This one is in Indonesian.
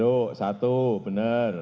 jeruk satu benar